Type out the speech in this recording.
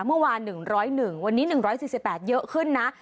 เมื่อวาน๑๐๑วันนี้๑๔๘เยอะขึ้นนะ